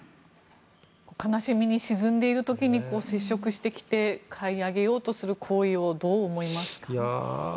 悲しみに沈んでいる時に接触してきて買い上げようとする行為をどう思いますか？